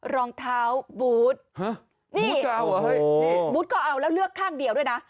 รองเท้าบู๊ดฮะบู๊ดก็เอาเหรอนี่นี่บู๊ดก็เอาแล้วเลือกข้างเดียวด้วยนะ